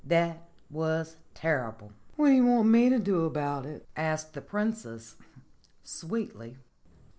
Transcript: That was ter rible." "What do you want me to do about it?" asked the Princess sweetly.